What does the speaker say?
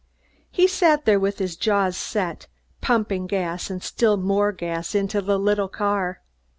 He sat there with jaws set, pumping gas and still more gas into the little car.